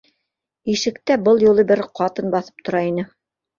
Ишектә был юлы бер ҡатын баҫып тора ине